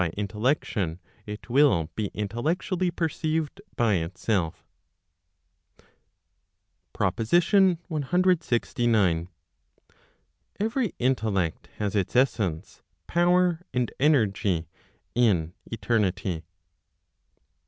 intel¬ lection it will be intellectually perceived by itself. PROPOSITION CLXIX. Every intellect has its essence, power and energy in eternity.